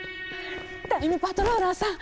タイムパトローラーさん